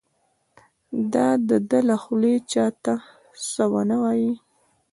د ده له خولې چا ته څه ونه وایي.